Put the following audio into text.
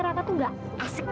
raka tuh gak asik